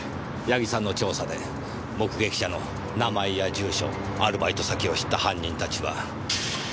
矢木さんの調査で目撃者の名前や住所アルバイト先を知った犯人たちは帰宅する彼を待ち伏せして。